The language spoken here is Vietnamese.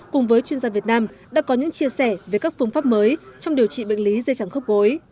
cùng với chuyên gia việt nam đã có những chia sẻ về các phương pháp mới trong điều trị bệnh lý dây chẳng khớp gối